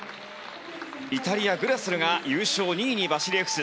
イタリア、グラスルが優勝２位にバシリエフス。